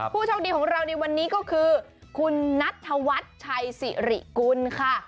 ผู้โชคดีของเราในวันนี้ก็คือคุณนัทธวัฒน์ชัยสิริกุลค่ะ